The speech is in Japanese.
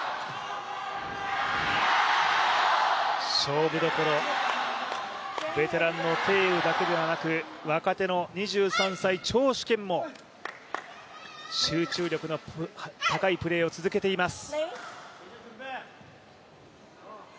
勝負どころ、ベテランの鄭雨だけではなく若手の２３歳、張殊賢も集中力が高いプレーを続けています。